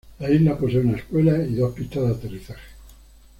La isla posee una escuela y dos pistas de aterrizaje.